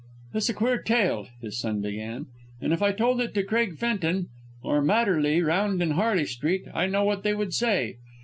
"It's a queer tale," his son began, "and if I told it to Craig Fenton, or Madderley round in Harley Street I know what they would say.